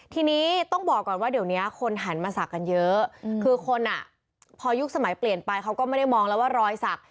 ทีนี้ต้องบอกก่อนว่าเดี๋ยวนี้คนหันมาศักดิ์กันเยอะคือคนอ่ะพอยุคสมัยเปลี่ยนไปเขาก็ไม่ได้มองแล้วว่ารอยสัก